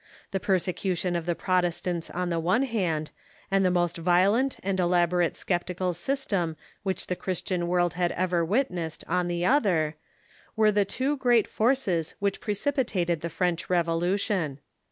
The persecution of the Protestants on the one hand, and the most violent o7°i'789" ^^"^^ elaborate sceptical system which the Christian world had ever witnessed, on the other, were the two great forces which precipitated the French revolution.